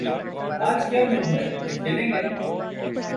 آج کیا موڈ ہے، کھیلیں گے؟